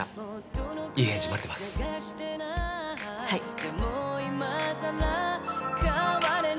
はい。